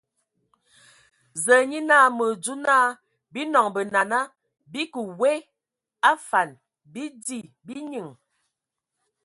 Zǝa nye naa mǝ adzo naa, bii nɔŋ benana, bii kǝ w a afan, bii di, bii nyinŋ!